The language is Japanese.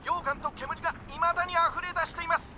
けむりがいまだにあふれだしています。